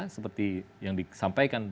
seperti yang disampaikan